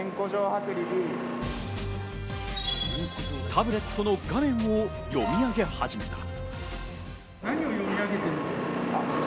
タブレットの画面を読み上げ始めた。